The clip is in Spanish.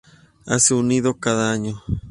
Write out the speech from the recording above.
Hacen un nido cada año.